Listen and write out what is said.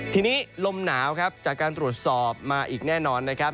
ทีนี้ลมหนาวครับจากการตรวจสอบมาอีกแน่นอนนะครับ